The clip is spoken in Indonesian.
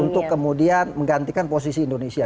untuk kemudian menggantikan posisi indonesia